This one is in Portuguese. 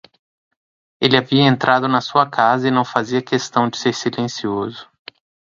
Ele havia entrado na sua casa e não fazia questão de ser silencioso.